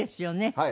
はい。